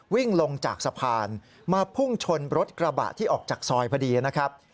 วิ่งลงจากสะพานมาพุ่งชนรถกระบะที่ออกจากซอยพอดีนะครับ